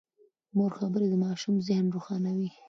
د مور خبرې د ماشوم ذهن روښانوي.